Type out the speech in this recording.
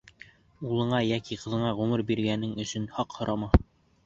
Улыңа йәки ҡыҙыңа ғүмер биргәнең өсөн хаҡ һорама.